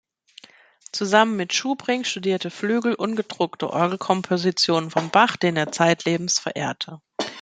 Zusammen mit Schubring studierte Flügel ungedruckte Orgelkompositionen von Bach, den er zeitlebens verehrte.